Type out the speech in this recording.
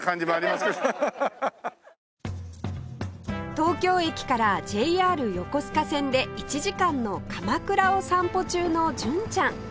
東京駅から ＪＲ 横須賀線で１時間の鎌倉を散歩中の純ちゃん